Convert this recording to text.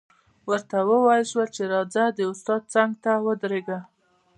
ورته وویل شول چې راځه د استاد څنګ ته ودرېږه